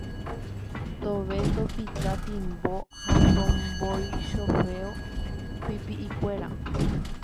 tove topita timbo ha tombovichofeo pipi'ikuéra